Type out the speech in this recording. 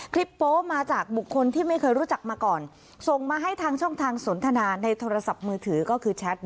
โป๊มาจากบุคคลที่ไม่เคยรู้จักมาก่อนส่งมาให้ทางช่องทางสนทนาในโทรศัพท์มือถือก็คือแชท